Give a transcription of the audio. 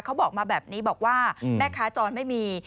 เขาบอกมาแบบนี้บอกว่าแม่ค้าจรไม่มี